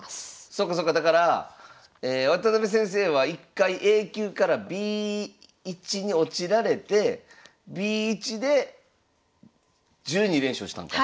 そっかそっかだから渡辺先生は１回Ａ級からＢ１に落ちられてＢ１で１２連勝したんか。